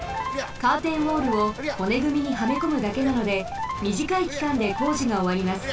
カーテンウォールをほねぐみにはめこむだけなのでみじかいきかんで工事がおわります。